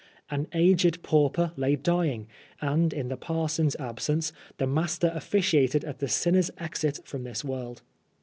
An aged pauper lay dying, and in the parson's absence the master officiated at the sinner's exit from this world.